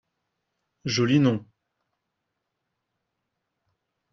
Joli nom